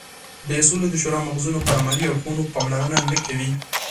د سولې د شورا مغزونه پر عملي اړخونو پاملرنه نه کوي.